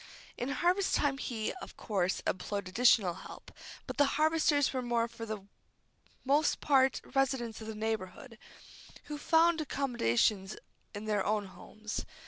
In harvest time he, of course, employed additional help, but the harvesters were for the most part residents of the neighborhood, who found accommodation in their own homes.